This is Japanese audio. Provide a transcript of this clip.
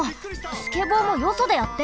スケボーもよそでやって！